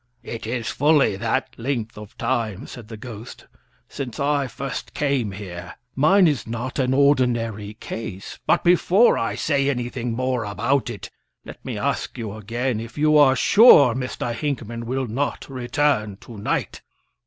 "It is fully that length of time," said the ghost, "since I first came here. Mine is not an ordinary case. But before I say anything more about it, let me ask you again if you are sure Mr. Hinckman will not return to night."